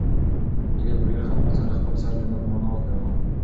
هیلې په ډېر خپګان سره خپل سر د نه په مانا وښوراوه.